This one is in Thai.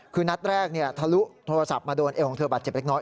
คือนัดแรกทะลุโทรศัพท์มาโดนเอวของเธอบาดเจ็บเล็กน้อย